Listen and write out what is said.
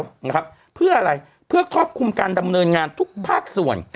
นะครับเพื่ออะไรเพื่อครอบคลุมการดำเนินงานทุกภาคส่วน